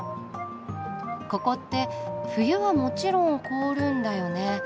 ここって冬はもちろん凍るんだよね。